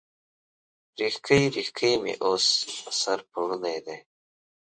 ریښکۍ، ریښکۍ مې اوس، په سر پوړني دی